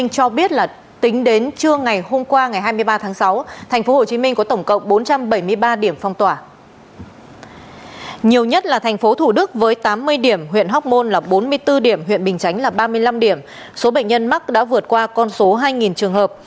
số bệnh nhân mắc đã vượt qua con số hai trường hợp